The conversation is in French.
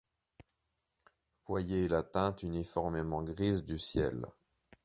Voyez la teinte uniformément grise du ciel.